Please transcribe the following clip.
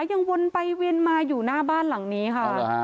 ยังวนไปเวียนมาอยู่หน้าบ้านหลังนี้ค่ะ